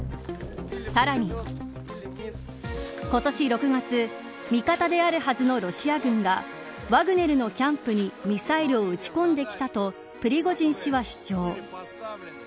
さらに今年６月味方であるはずのロシア軍がワグネルのキャンプにミサイルを撃ち込んできたとプリゴジン氏は主張。